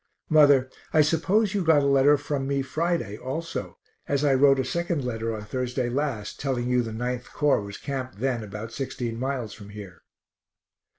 Mother, I suppose you got a letter from me Friday, also, as I wrote a second letter on Thursday last, telling you the 9th Corps was camped then about sixteen miles from here.